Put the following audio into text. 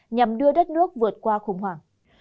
nhằm đưa đất nước vượt qua khủng hoảng